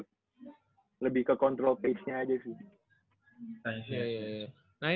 jadi lebih ke control pace nya aja sih